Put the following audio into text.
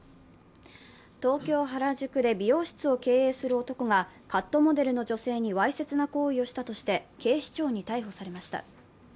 東京・原宿で美容室を経営する男がカットモデルの女性にわいせつな行為をしたとして警視庁に逮捕されました。